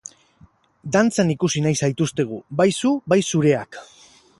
Dantzan ikusi nahi zaituztegu, bai zu bai zureak!